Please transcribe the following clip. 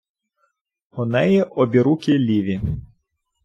У неї обіруки ліві.